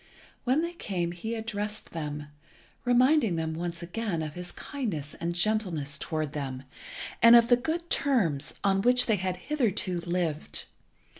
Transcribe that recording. When they came he addressed them, reminding them once again of his kindness and gentleness towards them, and of the good terms on which they had hitherto lived.